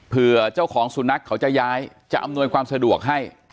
เจ้าของสุนัขเขาจะย้ายจะอำนวยความสะดวกให้